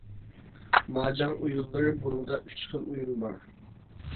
ماجاڭ ئويۇنلىرى بۇنىڭدا ئۈچ خىل ئويۇن بار.